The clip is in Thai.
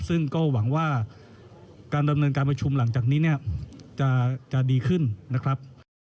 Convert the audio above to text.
ซึ่งก็หวังว่าการดำเนินการประชุมหลังจากนี้เนี่ยจะดีขึ้นนะครับ